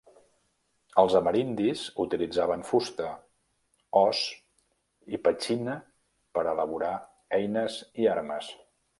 Els amerindis utilitzaven fusta, os i petxina per elaborar eines i armes.